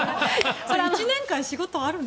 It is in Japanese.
１年間仕事あるの？